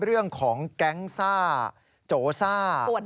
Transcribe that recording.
เรื่องของแก๊งซ่าโจซ่า